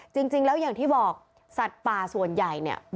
จริงแล้วอย่างที่บอกสัตว์ป่าส่วนใหญ่เนี่ย